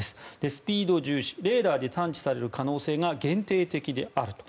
スピード重視レーダーで探知される可能性が限定的であると。